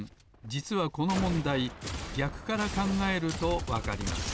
じつはこのもんだいぎゃくからかんがえるとわかります。